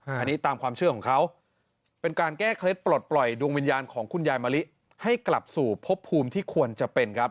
อันนี้ตามความเชื่อของเขาเป็นการแก้เคล็ดปลดปล่อยดวงวิญญาณของคุณยายมะลิให้กลับสู่พบภูมิที่ควรจะเป็นครับ